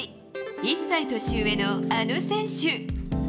１歳年上のあの選手。